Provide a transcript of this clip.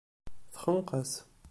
Texneq-as.